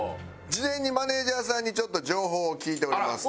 事前にマネージャーさんにちょっと情報を聞いております。